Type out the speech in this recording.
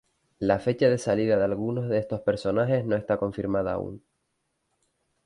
La fecha de salida de algunos de estos personajes no está confirmada aún.